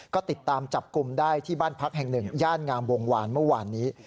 ก็ติดตามจับกลุ่มได้ที่บ้านพักแห่งหนึ่งย่านงามวงวานเมื่อวานนี้